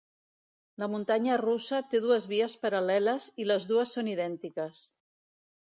La muntanya russa té dues vies paral·leles, i les dues són idèntiques.